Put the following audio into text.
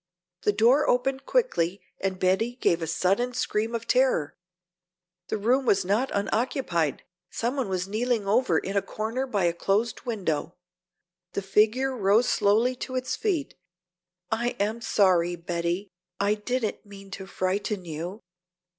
The door opened quickly and Betty gave a sudden scream of terror. The room was not unoccupied, some one was kneeling over in a corner by a closed window. The figure rose slowly to its feet. "I am sorry, Betty, I didn't mean to frighten you.